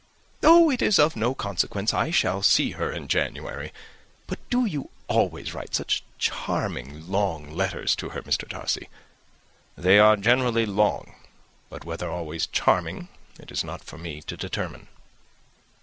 "Oh, it is of no consequence. I shall see her in January. But do you always write such charming long letters to her, Mr. Darcy?" "They are generally long; but whether always charming, it is not for me to determine."